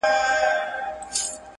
• ځي له وطنه خو په هر قدم و شاته ګوري.